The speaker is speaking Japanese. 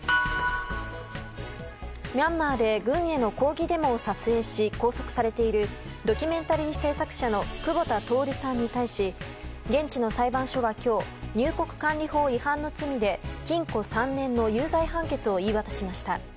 ミャンマーで軍への抗議デモを撮影し拘束されているドキュメンタリー制作者の久保田徹さんに対し現地の裁判所は今日入国管理法違反の罪で禁錮３年の有罪判決を言い渡しました。